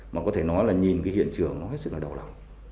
mà có thể nói là nhìn hiện trường nó rất là đầu lòng